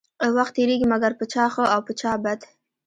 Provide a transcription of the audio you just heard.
وخت تيريږي مګر په چا ښه او په چا بد.